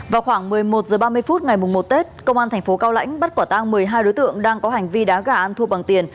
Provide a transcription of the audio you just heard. vào khoảng một mươi một h ba mươi phút ngày một tết công an thành phố cao lãnh bắt quả tang một mươi hai đối tượng đang có hành vi đá gà ăn thua bằng tiền